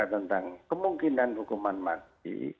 tentang kemungkinan hukuman mati